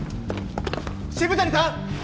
渋谷さん！